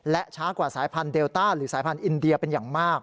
และช้ากว่าสายพันธุเดลต้าหรือสายพันธุอินเดียเป็นอย่างมาก